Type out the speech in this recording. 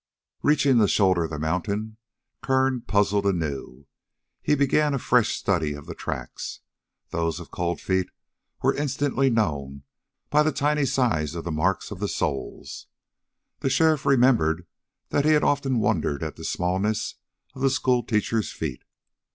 Reaching the shoulder of the mountain, Kern puzzled anew. He began a fresh study of the tracks. Those of Cold Feet were instantly known by the tiny size of the marks of the soles. The sheriff remembered that he had often wondered at the smallness of the schoolteacher's feet.